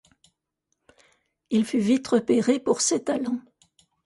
Il fut vite repéré pour ses talents.